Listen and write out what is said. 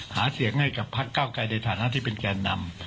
หาเสียงให้กับพักเก้าไกรในฐานะที่เป็นแกนนำ